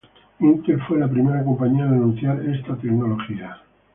Intel fue la primera compañía en anunciar esta tecnología.